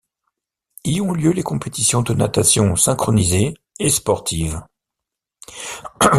Y ont lieu les compétitions de natations synchronisée et sportive.